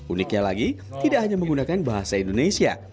uniknya lagi tidak hanya menggunakan bahasa indonesia